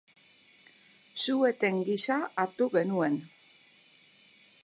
Su-eten gisa hartu genuen.